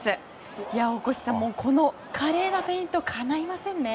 大越さん、この華麗なフェイントかないませんね。